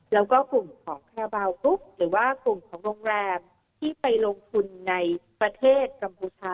แล้วก็กลุ่มของแอร์บาลกรุ๊ปหรือว่ากลุ่มของโรงแรมที่ไปลงทุนในประเทศกัมพูชา